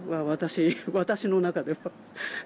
私の中では。